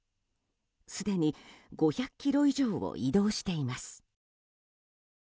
すでに、５００ｋｍ以上を移動しています。